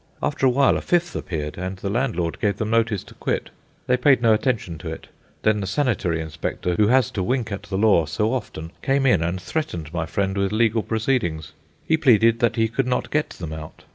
After a while a fifth appeared, and the landlord gave them notice to quit. They paid no attention to it. Then the sanitary inspector who has to wink at the law so often, came in and threatened my friend with legal proceedings. He pleaded that he could not get them out.